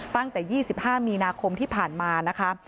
ตั้งแต่๒๕มีนาคมที่ผ่านมานะคะ